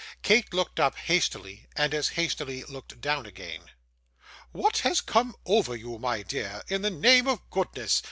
Kate looked up hastily, and as hastily looked down again. 'What has come over you, my dear, in the name of goodness?